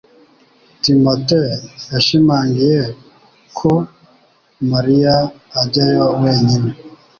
Timote yashimangiye ko Mariya ajyayo wenyine.